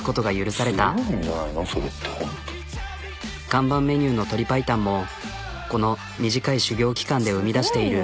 看板メニューの鶏パイタンもこの短い修業期間で生みだしている。